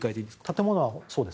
建物はそうです。